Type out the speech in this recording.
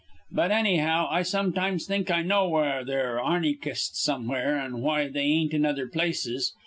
But, annyhow, I sometimes think I know why they're arnychists somewhere, an' why they ain't in other places.